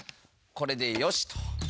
これでよしっと！